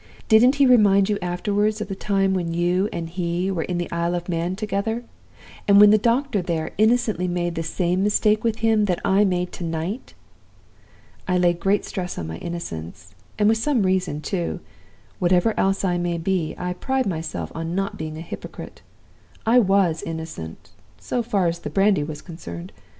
Didn't he remind you afterward of the time when you and he were in the Isle of Man together, and when the doctor there innocently made the same mistake with him that I made to night?'" ["I laid a great stress on my innocence and with some reason too. Whatever else I may be, I pride myself on not being a hypocrite. I was innocent so far as the brandy was concerned.